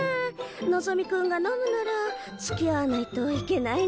のぞみ君が飲むならつきあわないといけないなあ。